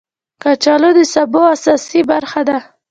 کچالو د سبو اساسي برخه ده